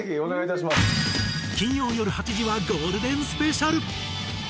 金曜よる８時はゴールデンスペシャル。